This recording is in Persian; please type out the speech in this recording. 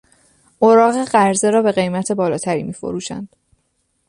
اوراق قرضه را به قیمت بالاتری میفروشند.